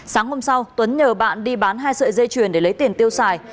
sáng hôm sau tuấn nhờ bạn đi bán hai sợi dây chuyền để lấy tiền tiêu xài